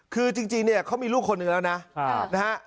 คือจริงเค้ามีลูกคนหนึ่งแล้วนะ